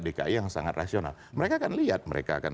dki yang sangat rasional mereka akan